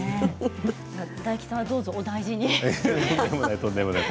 大吉さんはどうぞお大事に。